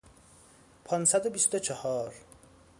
پانصد و بیست و چهار